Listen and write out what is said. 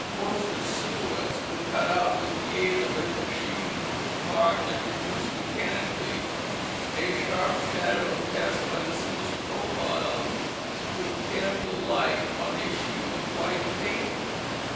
Portrait silhouettes were cut with the aid of a machine which marked and reduced mechanically a sharp shadow cast by the sitter's profile through candle light on a sheet of white paper.